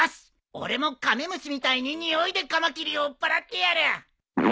俺もカメムシみたいに臭いでカマキリを追っ払ってやる。